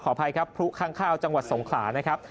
ขออภัยครับพรุข้างข้าวจังหวัดสงขลา